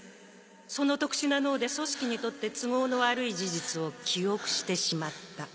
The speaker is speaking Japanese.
その特殊な脳で「組織」にとって都合の悪い事実を記憶してしまった。